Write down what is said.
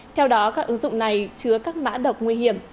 theo đó các ứng dụng này chứa các mã độc nguy hiểm